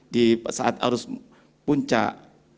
di saat arus puncak